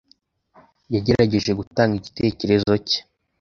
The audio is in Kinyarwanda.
Yagerageje gutanga igitekerezo cye.